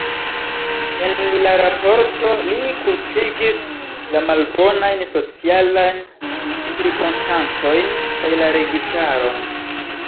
En lia raporto, li kulpigis la malbonajn socialajn cirkonstancojn kaj la registaron.